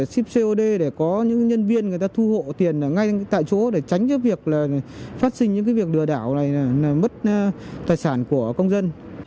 ship cod để có những nhân viên người ta thu hộ tiền ngay tại chỗ để tránh cái việc là phát sinh những cái việc lừa đảo này là mất tài sản của công dân